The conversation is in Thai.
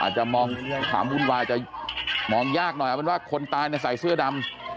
อาจจะมองขามุ่นวายจะมองยากหน่อยเป็นว่าคนตายในใส่เสื้อดำ